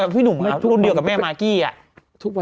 พี่หนุ่มรุ่นเดียวกับแม่มากกี้อะ